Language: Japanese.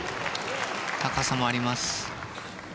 高さもあります。